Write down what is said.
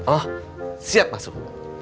oh siap masuk